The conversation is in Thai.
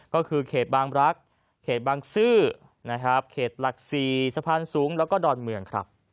ก็คือเขตบางรักเขตบางซื่อเขตหลักศรีสะพานสูงแล้วก็ดอนเมือง